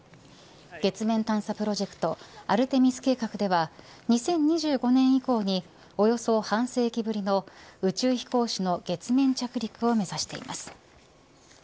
月面探査プロジェクトアルテミス計画では２０２５年以降におよそ半世紀ぶりの宇宙飛行士の月面着陸を目指しています。